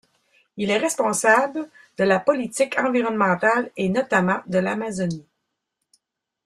Il est responsable de le la politique environnementale et notamment de l'Amazonie.